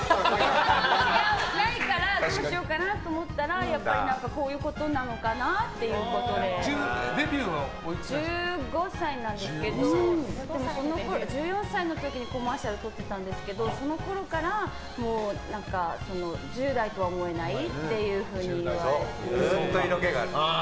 ないからどうしようかなと思ったらやっぱりこういうことなのかなデビューは１５歳なんですけど１４歳の時にコマーシャルを撮ってたんですけどそのころから、１０代とは思えないっていうふうにずっと色気がある。